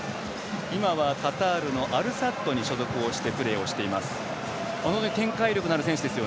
今はカタールのアルサッドに所属をしてプレーをしています。